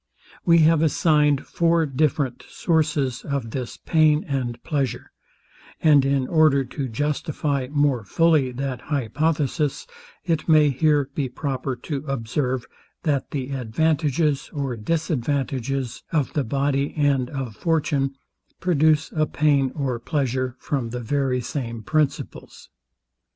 We have assigned four different sources of this pain and pleasure; and in order to justify more fully that hypothesis, it may here be proper to observe, that the advantages or disadvantages of the body and of fortune, produce a pain or pleasure from the very same principles.